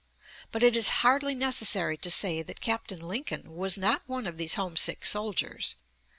But it is hardly necessary to say that Captain Lincoln was not one of these homesick soldiers.